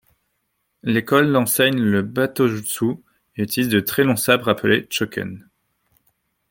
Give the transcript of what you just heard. L'école enseigne le battojutsu et utilise de très longs sabres appelés choken.